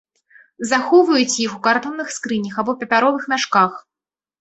Захоўваюць іх у кардонных скрынях або папяровых мяшках.